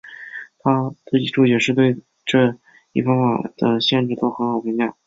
他自己注解是对这一方法的限制做了很好的评价。